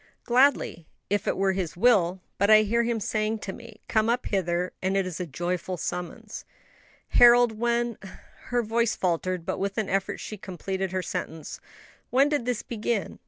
"Gladly, if it were His will; but I hear Him saying to me, 'Come up hither'; and it is a joyful summons." "Harold, when " her voice faltered, but with an effort she completed her sentence "when did this begin?"